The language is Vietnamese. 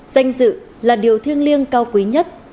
danh dự là điều thiêng liêng cao quý nhất